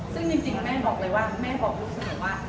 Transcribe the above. ซึ่งจริงแม่บอกเลยว่าแม่บอกลูกเสมอว่า